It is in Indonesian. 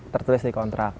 tertulis di kontrak